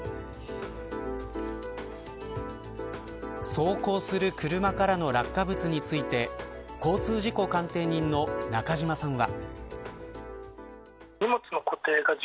走行する車からの落下物について交通事故鑑定人の中島さんは。